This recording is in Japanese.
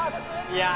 いや。